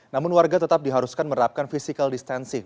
namun warga tetap diharuskan menerapkan physical distancing